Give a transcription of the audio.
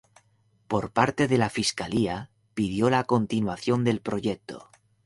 Por parte de la fiscalía pidió la continuación del proyecto.